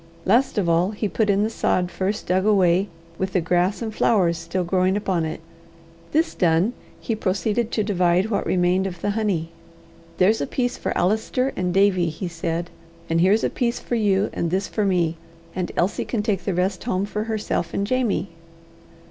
Last of all, he put in the sod first dug away, with the grass and flowers still growing upon it. This done, he proceeded to divide what remained of the honey. "There's a piece for Allister and Davie," he said; "and here's a piece for you, and this for me, and Elsie can take the rest home for herself and Jamie."